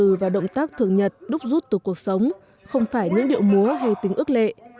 từ và động tác thường nhật đúc rút từ cuộc sống không phải những điệu múa hay tính ước lệ